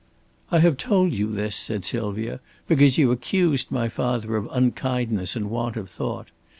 "I have told you this," said Sylvia, "because you accused my father of unkindness and want of thought.